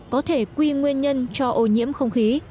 có thể quy nguyên nhân cho ô nhiễm không khí